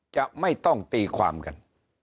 จะต้องตีความกัน